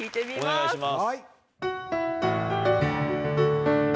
お願いします。